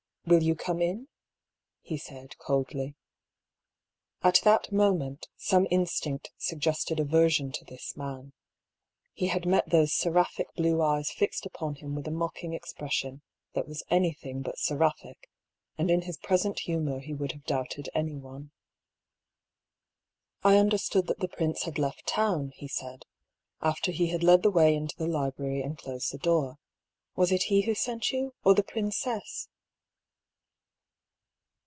" Will you come in ?" he said coldly. At that moment some instinct suggested aversion to this man. He had met those seraphic blue eyes fixed upon him with a mocking expression that was anything but seraphic, and in his present humour he would have doubted anyone. " I understood that the prince had left town," he said, after he had led the way into the library and HER DREAM. 225 closed the door. " Was it he who sent you, or the princess